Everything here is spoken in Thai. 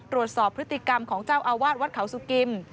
ตรวจสอบพฤติกรรมของเจ้าอาวาสวัดเขาสุกิม